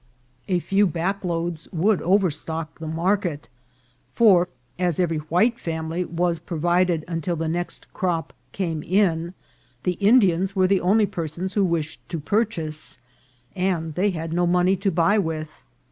A few back loads would overstock the market ; for as each white family was provided till the next crop came in, the Indians were the only per sons who wished to purchase, and they had no money to buy with.